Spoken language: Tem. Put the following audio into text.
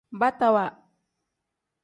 Batawa.